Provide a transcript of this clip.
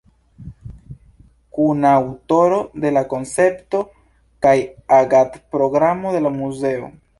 Kunaŭtoro de la koncepto kaj agad-programo de la muzeo.